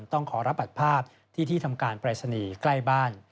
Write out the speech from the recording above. ต้องขอรับบัตรภาพที่ที่ทำการปรายศนีย์ใกล้บ้าน